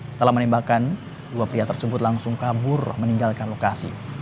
setelah menembakkan dua pria tersebut langsung kabur meninggalkan lokasi